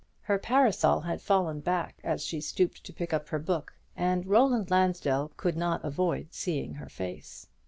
Her parasol had fallen back as she stooped to pick up her book, and Roland Lansdell could not avoid seeing her face.